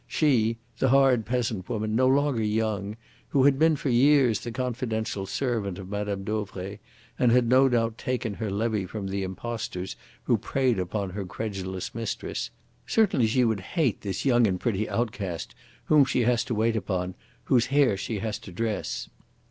She the hard peasant woman no longer young, who had been for years the confidential servant of Mme. Dauvray, and no doubt had taken her levy from the impostors who preyed upon her credulous mistress certainly she would hate this young and pretty outcast whom she has to wait upon, whose hair she has to dress.